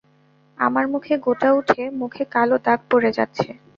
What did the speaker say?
আমার মুখে গোটা উঠে মুখে কালো দাগ পরে যাচ্ছে।